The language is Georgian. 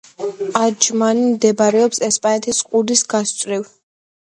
აჯმანი მდებარეობს სპარსეთის ყურის გასწვრივ.